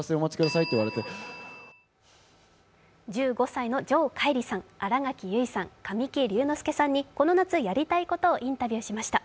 １５歳の城桧吏さん新垣結衣さん神木隆之介さんにこの夏やりたいことをインタビューしました。